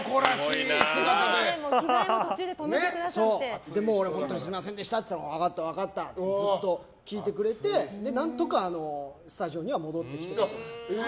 着替えを俺もすみませんでしたって言ったら分かった、分かったってずっと聞いてくれて何とかスタジオには戻ってきてくれた。